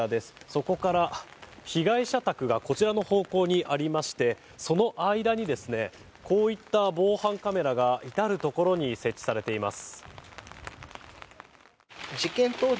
そこから被害者宅がこちらの方向にありましてその間にこういった防犯カメラが至るところに設置されています。